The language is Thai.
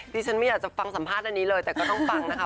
ฉันไม่อยากจะฟังสัมภาษณ์อันนี้เลยแต่ก็ต้องฟังนะคะ